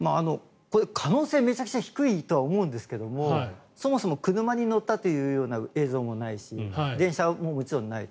可能性はめちゃくちゃ低いと思うんですがそもそも車に乗ったという映像もないし電車ももちろんない。